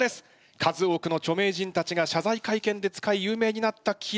数多くの著名人たちがしゃざい会見で使い有名になったキラーワード。